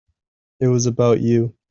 It was about you.